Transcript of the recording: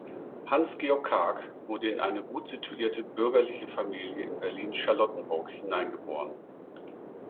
Hans-Georg Karg wurde in eine gut situierte bürgerliche Familie in Berlin-Charlottenburg hineingeboren.